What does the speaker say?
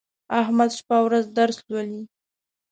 احمد شپه او ورځ درس لولي.